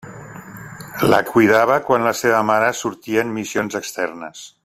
La cuidava quan la seva mare sortia en missions externes.